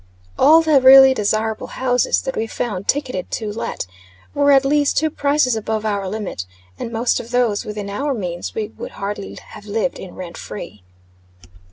All the really desirable houses that we found ticketed "to let," were at least two prices above our limit, and most of those within our means we would hardly have lived in rent free.